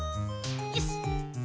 よし。